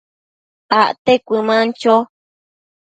acte cuëman cho